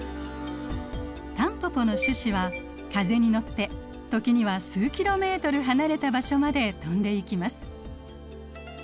タンポポの種子は風に乗って時には数キロメートル離れた場所まで飛んでいきます。